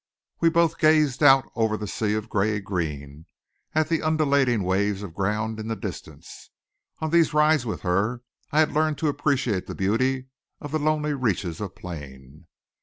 We both gazed out over the sea of gray green, at the undulating waves of ground in the distance. On these rides with her I had learned to appreciate the beauty of the lonely reaches of plain.